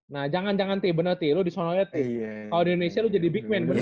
nah jangan jangan bener t lu disononya t kalo di indonesia lu jadi big man bener